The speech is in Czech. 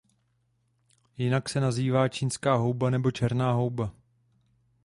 Jinak se nazývá čínská houba nebo černá houba.